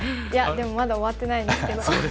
いやでもまだ終わってないんですけど。